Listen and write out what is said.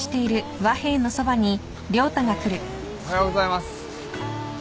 おはようございます。